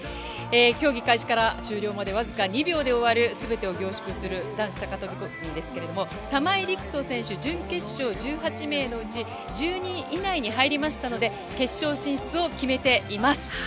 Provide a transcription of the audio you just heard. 競技開始から終了までわずか２秒で終わるすべてを凝縮する男子高飛込ですが、玉井陸斗選手、準決勝１８名のうち１０人以内に入りましたので、決勝進出を決めています。